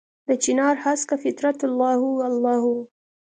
دچنارهسکه فطرته الله هو، الله هو